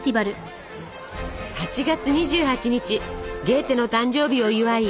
８月２８日ゲーテの誕生日を祝い